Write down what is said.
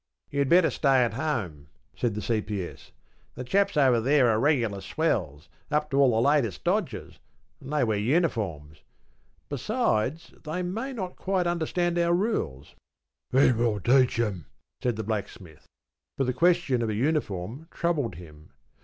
‘You'd better stay at home,’ said the C.P.S., ‘the chaps over there are regular swells, up to all the latest dodges, and they wear uniforms. Besides they may not quite understand our rules.’ ‘Then we'll teach 'em,’ said the Blacksmith. But the question of a uniform troubled him.